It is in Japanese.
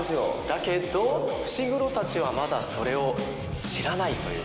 だけど伏黒たちはまだそれを知らないということで。